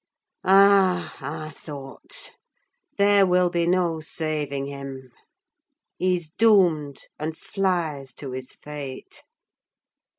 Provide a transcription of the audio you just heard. Ah, I thought, there will be no saving him: he's doomed, and flies to his fate!